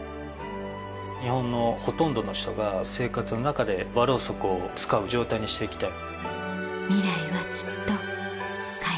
日本のほとんどの人が生活の中で和ろうそくを使う状態にしていきたい。